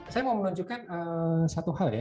saya mau menunjukkan satu hal ya